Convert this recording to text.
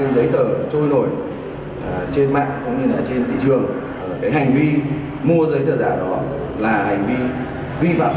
giấy tờ trôi nổi trên mạng cũng như trên thị trường hành vi mua giấy tờ giả đó là hành vi vi phạm